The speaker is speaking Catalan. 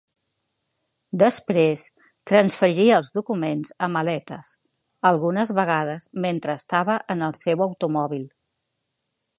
Després, transferiria els documents a maletes, algunes vegades mentre estava en el seu automòbil.